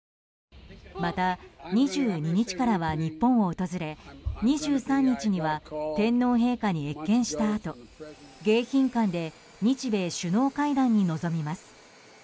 また、２２日からは日本を訪れ２３日には天皇陛下に謁見したあと迎賓館で日米首脳会談に臨みます。